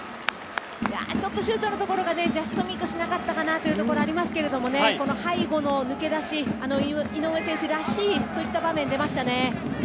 ちょっとシュートのところジャストミートしなかったかなというのがありますが背後の抜け出し、井上選手らしいそういった場面が出ましたね。